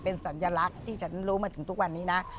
เป็นสัญลักษณ์ที่ฉันรู้มาถึงทุกวันนี้นะ